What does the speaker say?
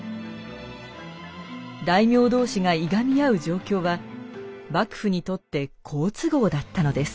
大名同士がいがみ合う状況は幕府にとって好都合だったのです。